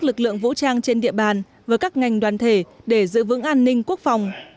lực lượng vũ trang trên địa bàn với các ngành đoàn thể để giữ vững an ninh quốc phòng